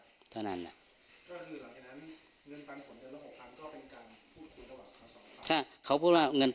ก็คือหลังจากนั้นเงินปันผลเดือนละ๖๐๐๐ก็เป็นการพูดคุยกระหว่างครั้ง๒๐๐๐